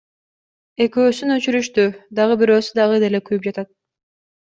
Экөөсүн өчүрүштү, дагы бирөөсү дагы деле күйүп жатат.